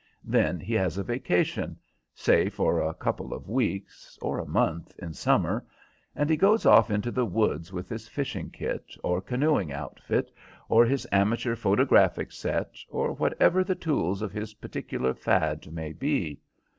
Then he has a vacation, say for a couple of weeks or a month, in summer, and he goes off into the woods with his fishing kit, or canoeing outfit, or his amateur photographic set, or whatever the tools of his particular fad may be.